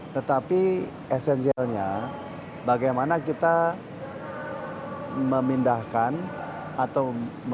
tetapi esensialnya bagaimana kita memindahkan atau